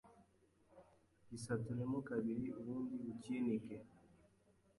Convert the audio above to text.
Gisaturemo kabiri, ubundi ukinike